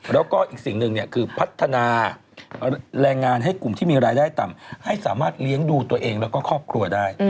แล้วก็อีกสิ่งหนึ่งคือพัฒนาแรงงานให้กลุ่มที่มีรายได้ต่ำให้สามารถเลี้ยงดูตัวเองแล้วก็ครอบครัวได้